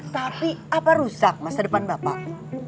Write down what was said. tapi apa rusak masa depan bapak